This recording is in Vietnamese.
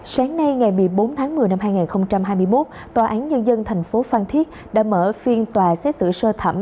sáng nay ngày một mươi bốn tháng một mươi năm hai nghìn hai mươi một tòa án nhân dân thành phố phan thiết đã mở phiên tòa xét xử sơ thẩm